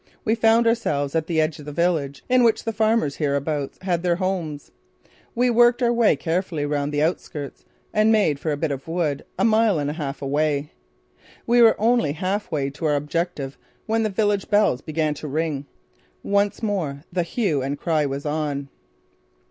We found ourselves at the edge of the village in which the farmers hereabouts had their homes. We worked our way carefully round the outskirts and made for a bit of a wood a mile and a half away. We were only half way to our objective when the village bells began to ring. Once more the hue and cry was on!